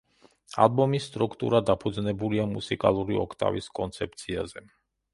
ალბომის სტრუქტურა დაფუძნებულია მუსიკალური ოქტავის კონცეფციაზე.